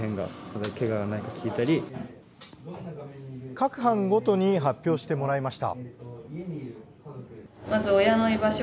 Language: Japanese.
各班ごとに発表してもらいました。